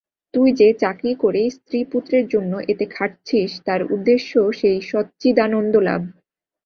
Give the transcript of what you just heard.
তুই যে চাকরি করে স্ত্রী-পুত্রের জন্য এতে খাটছিস, তার উদ্দেশ্যও সেই সচ্চিদানন্দলাভ।